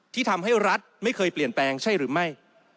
ที่ทำให้รัฐไม่เคยเปลี่ยนแปลงใช่หรือไม่